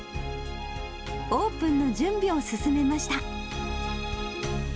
オープンの準備を進めました。